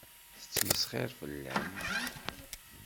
Tettmesxiṛ fell-am.